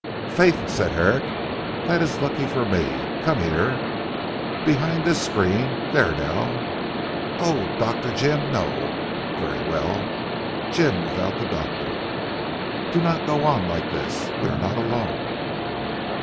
"Faith," said Herrick, "that is lucky for me! Come here. Behind this screen there now." "Oh! Dr. Jim No Very well. Jim, without the doctor. Do not go on like this. We are not alone."